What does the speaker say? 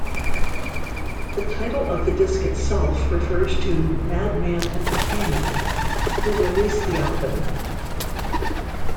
The title of the disc itself refers to Madman Entertainment, who released the Albun.